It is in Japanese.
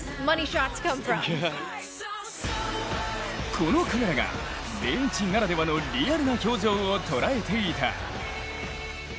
このカメラが、ベンチならではのリアルな表情を捉えていた。